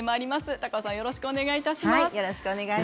高尾さん、よろしくお願いします。